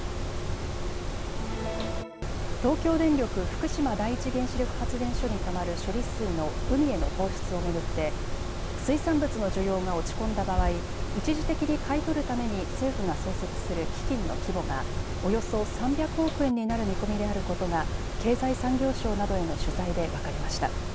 東京電力福島第一原子力発電所にたまる処理水の海への放出を巡って水産物の需要が落ち込んだ場合、一時的に買い取るために政府が創設する基金の規模がおよそ３００億円になる見込みであることが経済産業省などへの取材で分かりました。